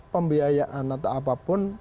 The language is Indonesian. pembiayaan atau apapun